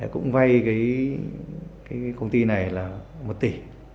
cũng vay cái công ty này là một tỷ